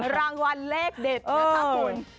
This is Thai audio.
รางวัลเลขเด็ดนะคะคุณ